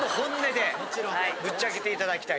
ぶっちゃけていただきたい。